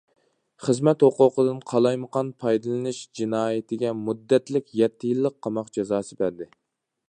خىزمەت ھوقۇقىدىن قالايمىقان پايدىلىنىش جىنايىتىگە مۇددەتلىك يەتتە يىللىق قاماق جازاسى بەردى.